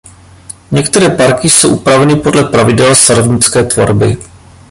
Některé parky jsou upraveny podle pravidel sadovnické tvorby.